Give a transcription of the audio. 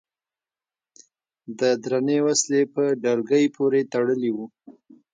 د درنې وسلې په ډلګۍ پورې تړلي و.